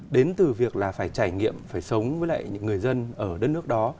đến từ việc là phải trải nghiệm phải sống với lại những người dân ở đất nước đó